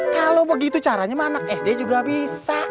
kalau begitu caranya mah anak sd juga bisa